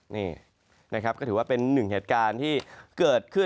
นี่นะครับก็ถือว่าเป็นหนึ่งเหตุการณ์ที่เกิดขึ้น